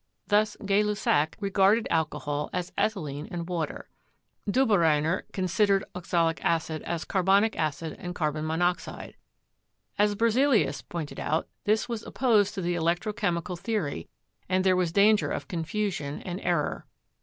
Thus, Gay Lussac regarded alcohol as ethylene and water. Dobereiner considered ox alic acid as carbonic acid and carbon monoxide. As Ber zelius pointed out, this was opposed to the electro chemical theory, and there was danger of confusion and error.